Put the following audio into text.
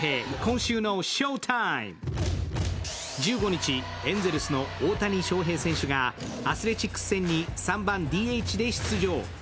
１５日、エンゼルスの大谷翔平選手がアスレチックス戦に３番のＤＨで登場。